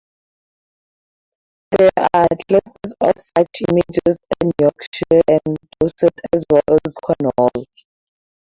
There are 'clusters' of such images in Yorkshire and Dorset as well as Cornwall.